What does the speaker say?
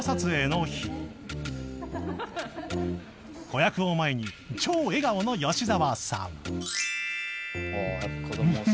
［子役を前に超笑顔の吉沢さん］